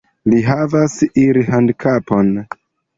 Li havas irhandikapon.